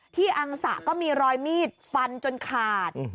อังสะก็มีรอยมีดฟันจนขาด